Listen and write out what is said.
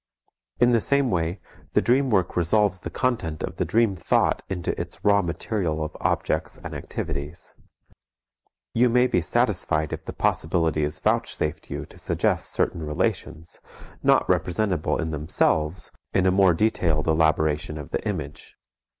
In the same way, the dream work resolves the content of the dream thought into its raw material of objects and activities. You may be satisfied if the possibility is vouchsafed you to suggest certain relations, not representable in themselves, in a more detailed elaboration of the image.